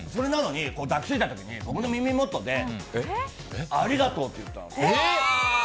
抱き付いた時に僕の耳元でありがとうって言ったんです。